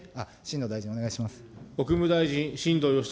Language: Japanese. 新藤大臣、お願いします。